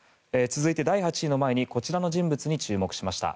続いて、第８位の前にこちらの人物に注目しました。